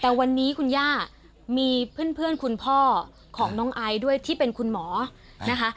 แต่วันนี้คุณย่ามีเพื่อนคุณพ่อของน้องไอซ์ด้วยที่เป็นคุณหมอนะคะ